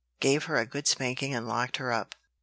gave her a good spanking, and locked her up.